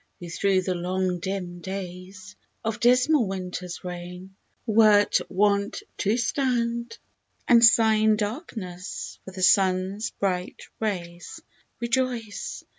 who through the long dim days' Of dismal Winter's reign, wert wont to stand And sigh in darkness for the sun's bright rays — Rejoice